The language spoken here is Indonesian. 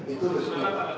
itu harus diingat